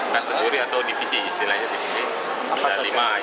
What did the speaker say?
kategori atau divisi istilahnya divisi